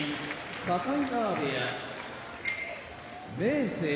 境川部屋明生